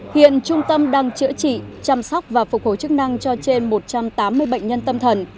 hiện trung tâm đang chữa trị chăm sóc và phục hồi chức năng cho trên một trăm tám mươi bệnh nhân tâm thần